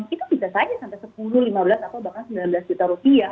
itu bisa saja sampai sepuluh lima belas atau bahkan sembilan belas juta rupiah